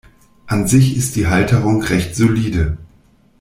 An sich ist die Halterung recht solide.